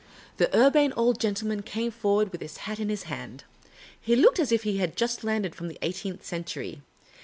The Urbane Old Gentleman came forward with his hat in his hand. He looked as if he had just landed from the eighteenth century.